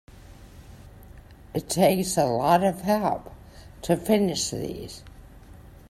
It takes a lot of help to finish these.